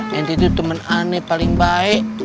nanti itu temen ani paling baik